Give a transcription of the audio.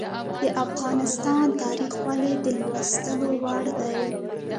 د افغانستان تاریخ ولې د لوستلو وړ دی؟